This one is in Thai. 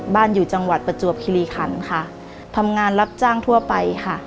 อยู่จังหวัดประจวบคิริขันค่ะทำงานรับจ้างทั่วไปค่ะ